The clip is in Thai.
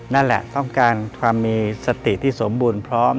นั่นแหละต้องการความมีสติที่สมบูรณ์พร้อม